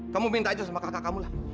kamu minta aja sama kakak kamu lah